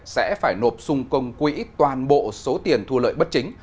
sẽ phải nộp sung công quỹ toàn bộ số tiền thu lợi bất chính